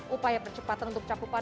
upaya percepatan untuk capai vaksinasi